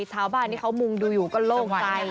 ชาวบ้านที่เขามุงดูอยู่ก็โล่งใจ